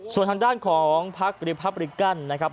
ส่วนทางด้านของภักดิ์ลิภับตกันนะครับ